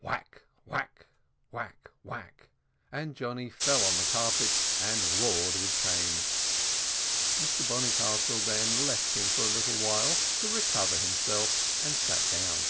Whack, whack, whack, whack; and Johnny fell on the carpet, and roared with pain. Mr Bonnycastle then left him for a little while, to recover himself, and sat down.